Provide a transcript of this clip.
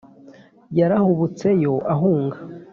Yarahubutse yo ahunga